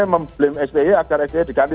memblim sti agar sti diganti